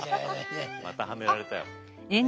またはめられたよ。